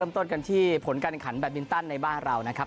เริ่มต้นกันที่ผลการขันแบบมินตันในบ้านเรานะครับ